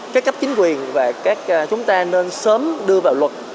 các cấp chính quyền và các chúng ta nên sớm đưa vào luật